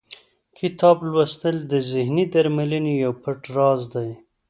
کتاب لوستل د ذهني درملنې یو پټ راز دی.